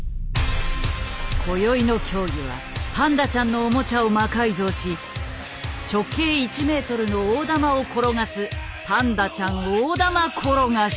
こよいの競技はパンダちゃんのオモチャを魔改造し直径１ｍの大玉を転がす「パンダちゃん大玉転がし」。